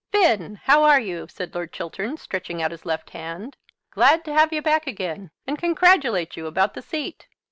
"Finn, how are you?" said Lord Chiltern, stretching out his left hand. "Glad to have you back again, and congratulate you about the seat.